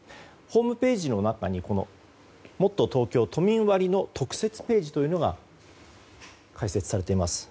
ホームページの中にもっとＴｏｋｙｏ都民割の特設ページというのが開設されています。